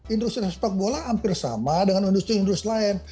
industri sepak bola hampir sama dengan industri industri lain